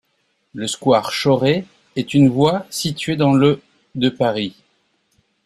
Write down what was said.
Le square Chauré est une voie située dans le de Paris.